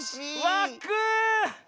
わく！